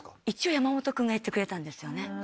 一応山本くんが言ってくれたんですよね。